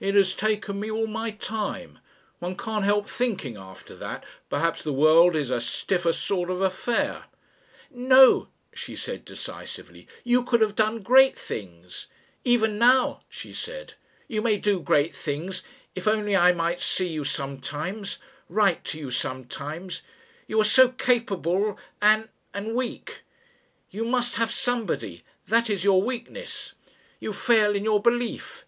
It has taken me all my time. One can't help thinking after that, perhaps the world is a stiffer sort of affair ..." "No," she said decisively. "You could have done great things. "Even now," she said, "you may do great things If only I might see you sometimes, write to you sometimes You are so capable and weak. You must have somebody That is your weakness. You fail in your belief.